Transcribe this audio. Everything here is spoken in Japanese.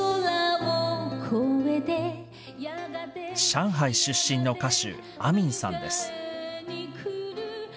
上海出身の歌手、アミンさんです。